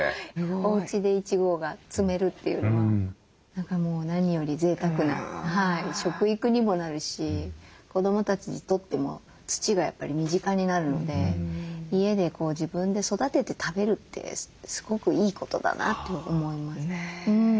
おうちでいちごが摘めるというのは何かもう何よりぜいたくな食育にもなるし子どもたちにとっても土がやっぱり身近になるので家で自分で育てて食べるってすごくいいことだなと思います。